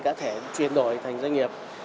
cả thể chuyển đổi thành doanh nghiệp